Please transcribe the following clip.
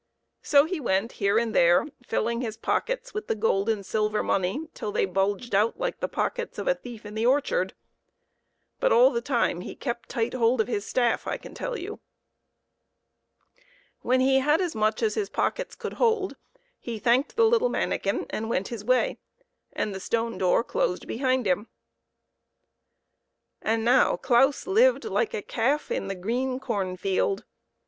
So he went here and there, filling his pockets with the gold and silver money till they bulged out like the pockets of a thief in the orchard ; but all the time he kept tight hold of his staff, I can tell you. Claus and fhe Aanikin When he had as much as his pockets could hold, he thanked the little manikin and went his way, and the stone door closed behind him. And now Claus lived like a calf in the green corn field.